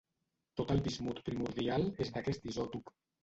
Tot el bismut primordial és d'aquest isòtop.